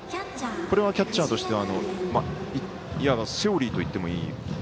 キャッチャーとしてはいわばセオリーといってもいい？